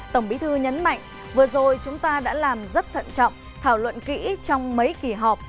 tổng bí thư nhấn mạnh vừa rồi chúng ta đã làm rất thận trọng thảo luận kỹ trong mấy kỳ họp